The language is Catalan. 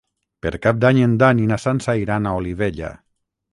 Per Cap d'Any en Dan i na Sança iran a Olivella.